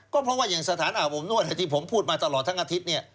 ก็เพราะว่าอย่างสถานอาบอบนวดที่ผมพูดมาตลอดทั้งอาทิตย์เนี่ย